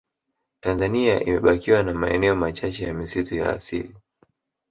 tanzania imebakiwa na maeneo machache ya misitu ya asili